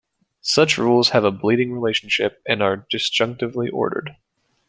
Such rules have a bleeding relationship and are "disjunctively ordered".